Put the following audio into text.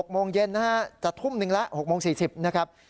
๖โมงเย็นนะฮะจะทุ่มหนึ่งละ๖โมง๔๐นะครับ